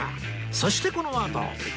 そしてこのあとわあ！